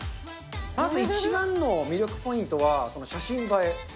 まず一番の魅力ポイントは写真映え。